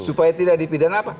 supaya tidak dipidana apa